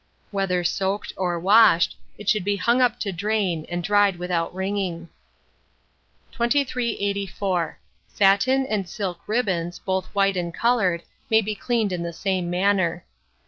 Whether soaked or washed, it should be hung up to drain, and dried without wringing. 2384. Satin and silk ribbons, both white and coloured, may be cleaned in the same manner.